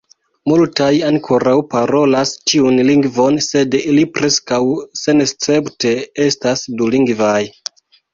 Multaj ankoraŭ parolas tiun lingvon, sed ili preskaŭ senescepte estas dulingvaj.